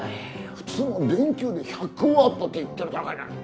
普通の電球で１００ワットって言ってるだけなのに。